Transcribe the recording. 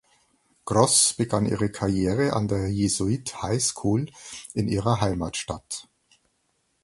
Gross begann ihre Karriere an der Jesuit High School in ihrer Heimatstadt.